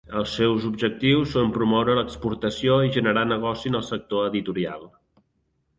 Els seus objectius són promoure l'exportació i generar negoci en el sector editorial.